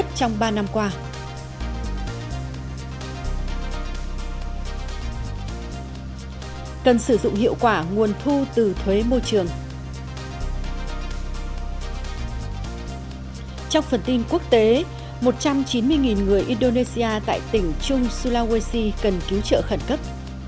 trong phần tin quốc tế một trăm chín mươi người indonesia tại tỉnh trung sulawesi cần cứu trợ khẩn cấp